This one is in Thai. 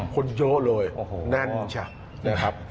คนเยอะเลยนั่นใช่ไหมครับ